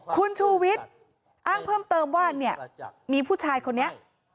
คุณชูวิทย์อ้างเพิ่มเติมว่าเนี่ยมีผู้ชายคนนี้